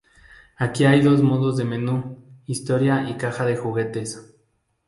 Aquí hay dos modos de menú, Historia y Caja de Juguetes.